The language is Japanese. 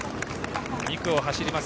２区を走ります